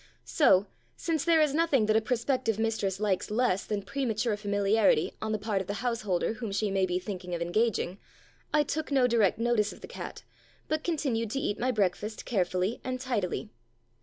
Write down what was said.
So, since there is nothing that a prospective mistress likes less than premature familiarity on the part of the householder whom she may be thinking of engaging, I took no direct notice of the cat, but continued to eat my breakfast carefully and tidily.